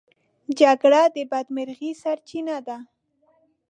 جګړه د بدمرغۍ سرچينه ده.